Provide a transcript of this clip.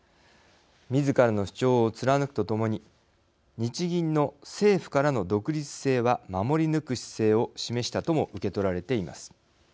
みずからの主張を貫くとともに日銀の政府からの独立性は守り抜く姿勢を示したとも受け取られています。